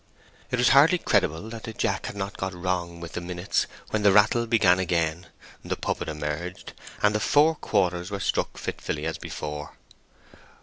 It was hardly credible that the jack had not got wrong with the minutes when the rattle began again, the puppet emerged, and the four quarters were struck fitfully as before.